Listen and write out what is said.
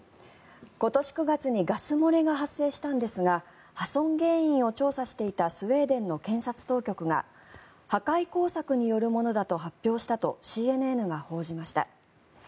今年９月にガス漏れが発生したんですが破損原因を調査していたスウェーデンの検察当局が破壊工作によるものだと発表したとＣＮＮが報じました。